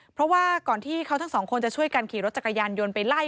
เพราะว่าก่อนที่เขาทั้งสองคนจะช่วยกันขี่รถจักรยานยนต์ไปไล่